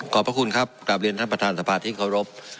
ขอบพระคุณครับกราบเรียนท่านประธานสภาษณ์ที่ขอรับ